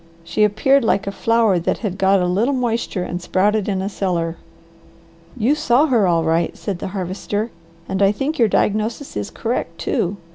She appeared like a flower that had got a little moisture and sprouted in a cellar." "You saw her all right!" said the Harvester, "and I think your diagnosis is correct too.